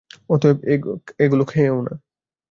এতগুলো খেয়েও না।